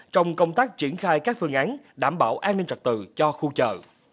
trong công tác triển khai các phương án đảm bảo an ninh trật tự cho khu chợ